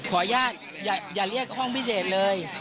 ขออนุญาตอย่าเรียกห้องพิเศษเลย